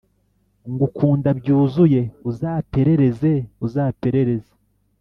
ngukunda byuzuye, uzaperereze uzaperereze